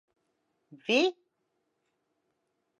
Vi?